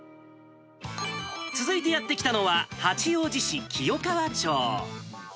続いてやって来たのは、八王子市清川町。